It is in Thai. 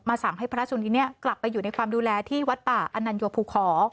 สั่งให้พระสุนิเนี่ยกลับไปอยู่ในความดูแลที่วัดป่าอนัญโยภูขอ